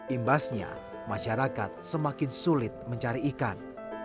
imbasnya masyarakat semakin sulit mencari ikan